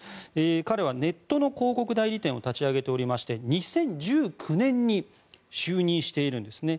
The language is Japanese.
彼はネットの広告代理店を立ち上げておりまして２０１９年に就任しているんですね。